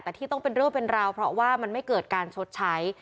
แต่ที่ต้องเป็นเรื่องเป็นราวเพราะว่ามันไม่เกิดการชดใช้